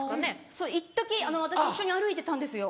そういっとき私一緒に歩いてたんですよ。